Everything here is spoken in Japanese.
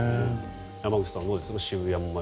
山口さん、どうですか渋谷の街。